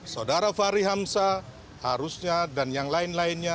saudara fahri hamzah harusnya dan yang lain lainnya